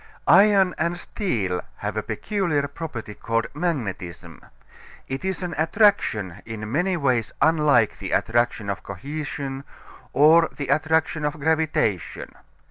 Iron and steel have a peculiar property called magnetism. It is an attraction in many ways unlike the attraction of cohesion or the attraction of gravitation.